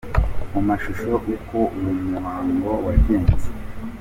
Mu mashusho uko uwo muhango wagenze.